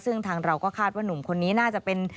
ซึ่งทางเราก็คาดว่านุ่มคนนี้น่าจะเป็น